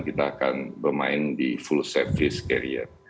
kita akan bermain di full service carrier